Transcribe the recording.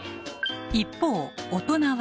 一方大人は。